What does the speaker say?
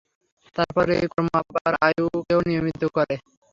তারপর এই কর্ম আবার আয়ুকেও নিয়মিত করে।